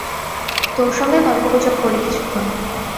তোর সঙ্গে গল্পগুজব করি কিছুক্ষণ।